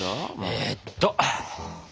えっと。